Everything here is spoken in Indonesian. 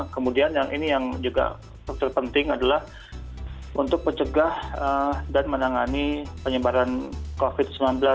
kemudian yang ini yang juga terpenting adalah untuk mencegah dan menangani penyebaran covid sembilan belas